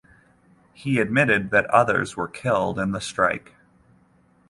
He admitted that others were killed in the strike.